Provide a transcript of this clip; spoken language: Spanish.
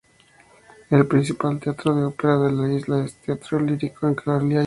El principal teatro de ópera de la isla es el Teatro Lírico en Cagliari.